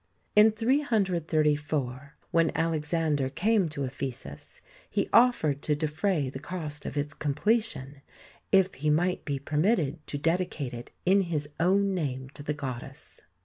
In 334, when Alexander came to Ephesus, he offered to defray the cost of its completion if he might be permitted to dedicate it in his own name to the goddess.